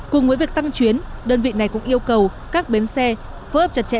cùng với việc tăng chuyến đơn vị này cũng yêu cầu các bến xe phối hợp chặt chẽ